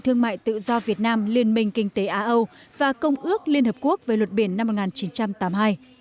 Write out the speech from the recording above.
thương mại tự do việt nam liên minh kinh tế á âu và công ước liên hợp quốc về luật biển năm một nghìn chín trăm tám mươi hai